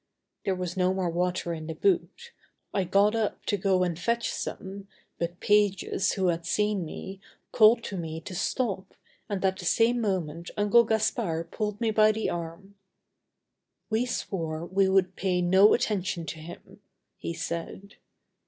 There was no more water in the boot. I got up to go and fetch some, but Pages, who had seen me, called to me to stop, and at the same moment Uncle Gaspard pulled me by the arm. "We swore we would pay no attention to him," he said.